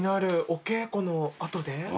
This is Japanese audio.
お稽古のあとで？